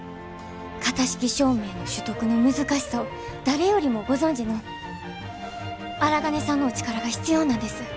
型式証明の取得の難しさを誰よりもご存じの荒金さんのお力が必要なんです。